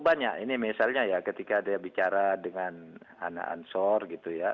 banyak ini misalnya ya ketika dia bicara dengan anak ansur gitu ya